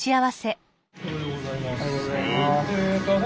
おはようございます。